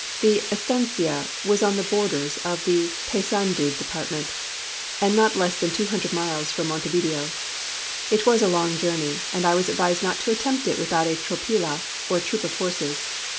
The estancia was on the borders of the Paysandù department, and not less than two hundred miles from Montevideo. It was a long journey, and I was advised not to attempt it without a tropilla, or troop of horses.